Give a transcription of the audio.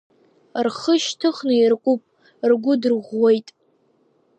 Рхы шьҭыхны иркуп, ргәы дырӷәӷәоит.